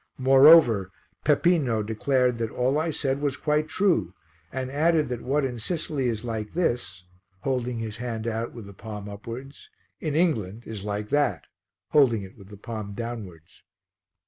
Moreover Peppino declared that all I said was quite true and added that what in Sicily is like this (holding his hand out with the palm upwards) in England is like that (holding it with the palm downwards).